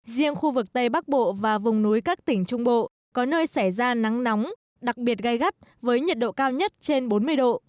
riêng khu vực tây bắc bộ và vùng núi các tỉnh trung bộ có nơi xảy ra nắng nóng đặc biệt gai gắt với nhiệt độ cao nhất trên bốn mươi độ